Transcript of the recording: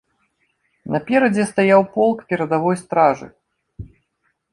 Наперадзе стаяў полк перадавой стражы.